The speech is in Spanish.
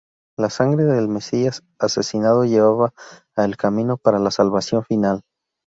La sangre del Mesías asesinado llevada a el camino para la salvación final".